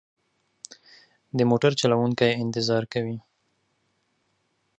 د موټر چلوونکی انتظار کوي.